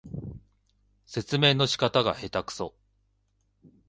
説明の仕方がへたくそ